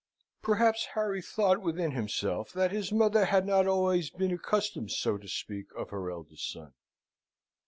(Perhaps Harry thought within himself that his mother had not always been accustomed so to speak of her eldest son.)